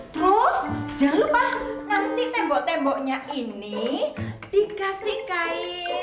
terus jangan lupa nanti tembok temboknya ini dikasih kain